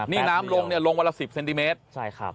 นี่น้ำลงเนี่ยลงวันละ๑๐เซนติเมตรใช่ครับ